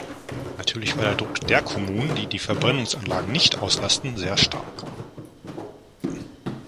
Natürlich war der Druck der Kommunen, die die Verbrennungsanlagen nicht auslasten sehr stark.